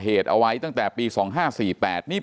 เป็นวันที่๑๕ธนวาคมแต่คุณผู้ชมค่ะกลายเป็นวันที่๑๕ธนวาคม